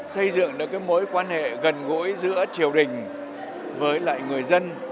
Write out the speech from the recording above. xây dựng được mối quan hệ gần gũi giữa triều đình với lại người dân